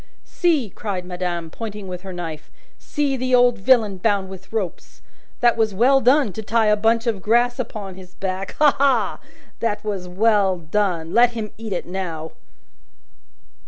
"See!" cried madame, pointing with her knife. "See the old villain bound with ropes. That was well done to tie a bunch of grass upon his back. Ha, ha! That was well done. Let him eat it now!"